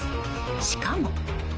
しかも。